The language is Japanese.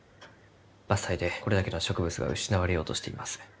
伐採でこれだけの植物が失われようとしています。